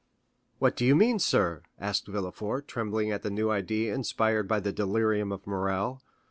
"What do you mean, sir?" asked Villefort, trembling at the new idea inspired by the delirium of Morrel.